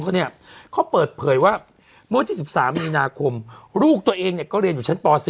เขาเปิดเผยว่าเมื่อ๙๓นคลูกตัวเองเรียนอยู่ชั้นป๔